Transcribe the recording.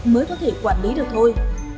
mới có thể quản lý được thôi